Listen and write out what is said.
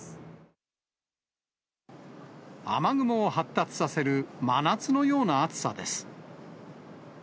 雨雲を発達させる真夏のような暑さです。